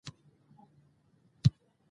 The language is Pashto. مور د کورنۍ د روغتیايي معلوماتو ساتنه کوي.